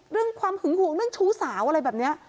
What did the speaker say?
ความหึงห่วงเรื่องชู้สาวอะไรแบบนี้